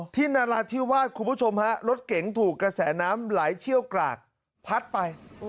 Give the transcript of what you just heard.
นราธิวาสคุณผู้ชมฮะรถเก๋งถูกกระแสน้ำไหลเชี่ยวกรากพัดไป